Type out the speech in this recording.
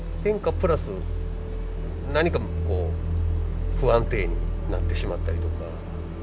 プラス何かこう不安定になってしまったりとか。